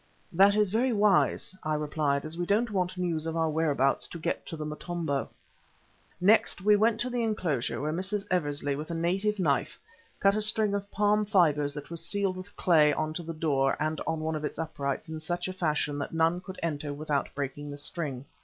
"That is very wise," I replied, "as we don't want news of our whereabouts to get to the Motombo." Next we went to the enclosure, where Mrs. Eversley with a native knife cut a string of palm fibres that was sealed with clay on to the door and one of its uprights in such a fashion that none could enter without breaking the string.